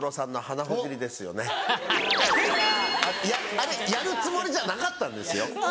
あれやるつもりじゃなかったんですよ。